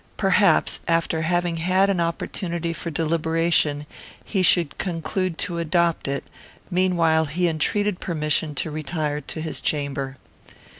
Perhaps, after having had an opportunity for deliberation, he should conclude to adopt it; meanwhile he entreated permission to retire to his chamber.